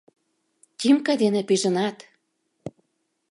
— Тимка дене пижынат!